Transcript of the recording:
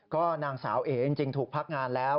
ก็นางสาวเอ๋จริงถูกพักงานแล้ว